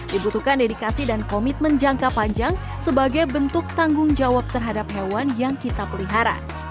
dibutuhkan dedikasi dan komitmen jangka panjang sebagai bentuk tanggung jawab terhadap hewan yang kita pelihara